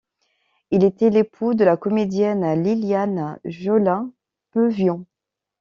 Il était l'époux de la comédienne Liliane Jolin-Peuvion.